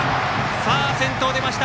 先頭、出ました！